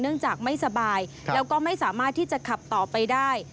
จากไม่สบายแล้วก็ไม่สามารถที่จะขับต่อไปได้